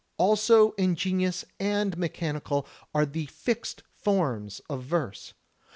Also ingenious and mechanical are the Fixed Forms of verse.